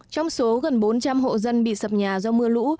trong số gần bốn trăm linh hộ dân bị sập nhà do mưa lũ